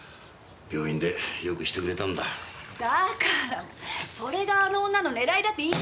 病院でよくしてくれたんだだからそれがあの女の狙いだって言ってるじゃないの！